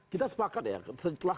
kita sepakat ya setelah